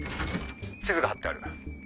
地図が張ってある。